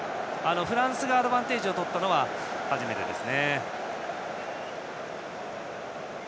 フランスがアドバンテージをとったのは初めてですね。